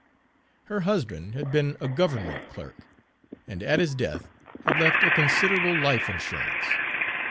Her husband had been a government clerk, and at his death had left a considerable life insurance.